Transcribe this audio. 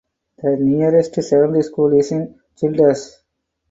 The nearest secondary school is in Childers.